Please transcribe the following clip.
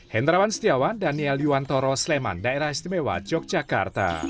hendrawan setiawan daniel yuwantoro sleman daerah istimewa yogyakarta